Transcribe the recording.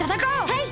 はい！